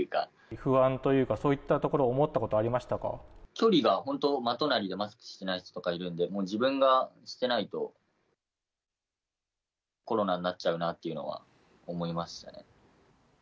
不安というか、そういったと距離が本当、真隣でマスクしてない人とかいるんで、自分がしてないと、コロナになっちゃうなっていうのは思いましたね。